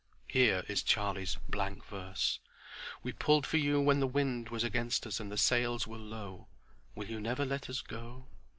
Here is Charlie's "blank verse": "We pulled for you when the wind was against us and the sails were low. "Will you never let us go?